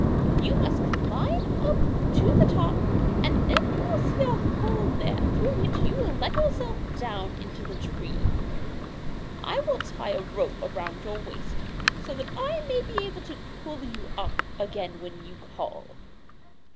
You must climb up to the top, and then you will see a hole through which you can let yourself down into the tree. I will tie a rope round your waist, so that I may be able to pull you up again when you call.